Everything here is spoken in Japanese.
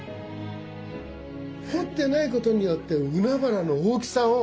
彫ってないことによって海原の大きさを。